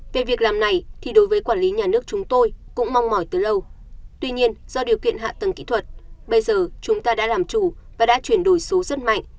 về việc làm này thì đối với quản lý nhà nước chúng tôi cũng mong mỏi từ lâu tuy nhiên do điều kiện hạ tầng kỹ thuật bây giờ chúng ta đã làm chủ và đã chuyển đổi số rất mạnh